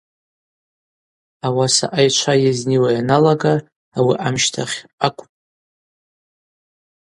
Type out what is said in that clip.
Ауаса айчва йызниуа йаналага ауи амщтахь акӏвпӏ.